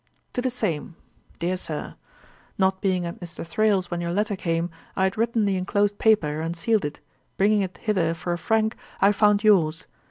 TO THE SAME. 'DEAR SIR, 'Not being at Mr. Thrale's when your letter came, I had written the enclosed paper and sealed it; bringing it hither for a frank, I found yours.